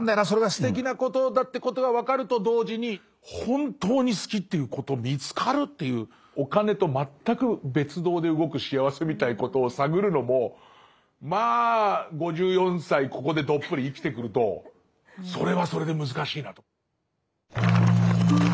それがすてきなことだってことは分かると同時に本当に好きっていうこと見つかる？っていうお金と全く別働で動く幸せみたいことを探るのもまあ５４歳ここでどっぷり生きてくるとそれはそれで難しいなと。